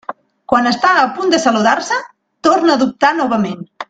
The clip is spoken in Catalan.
Quan està a punt de saludar-se, torna a dubtar novament.